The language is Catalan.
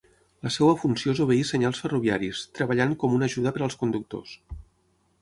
La seva funció és obeir senyals ferroviaris, treballant com una ajuda per als conductors.